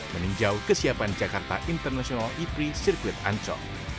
meninjau kesiapan jakarta international e tiga sirkuit anco